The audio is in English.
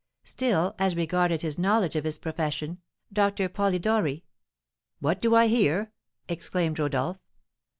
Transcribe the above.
Still, as regarded his knowledge of his profession, Doctor Polidori " "What do I hear?" exclaimed Rodolph.